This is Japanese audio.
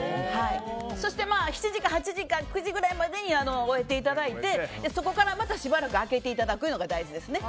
そして７時か８時か９時くらいまでに終えていただいてそこからまたしばらく空けていただくのが大事ですね。